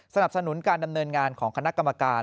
สนับสนุนการดำเนินงานของคณะกรรมการ